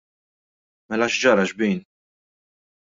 Mela x'ġara xbin?